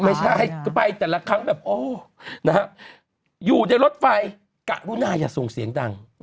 ไม่ใช่ไปแต่ละครั้งแบบโอ้นะฮะอยู่ในรถไฟกะรุนาอย่าส่งเสียงดัง